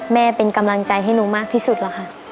แม่เป็นกำลังใจให้หนูมากที่สุดแล้วค่ะ